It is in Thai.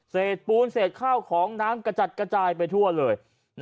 ปูนเศษข้าวของน้ำกระจัดกระจายไปทั่วเลย